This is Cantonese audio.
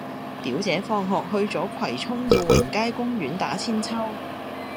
表姐放學去左葵涌耀榮街公園打韆鞦